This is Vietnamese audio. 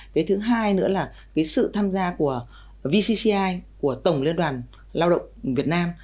cái thứ hai nữa là cái sự tham gia của vcci của tổng liên đoàn lao động việt nam